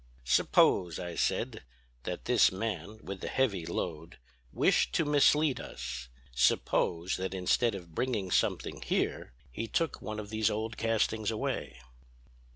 "'Suppose,' I said, 'that this man with the heavy load wished to mislead us; suppose that instead of bringing something here he took one of these old castings away?'